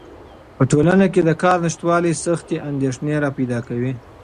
په ټولنه کې د کار نشتوالی سختې اندېښنې راپیدا کوي.